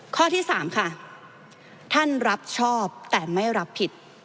ข้อที่๓ค่ะท่านรับชอบแต่ไม่รับผิด